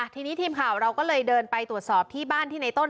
ทีนี้ทีมข่าวเราก็เลยเดินไปตรวจสอบที่บ้านที่ในต้น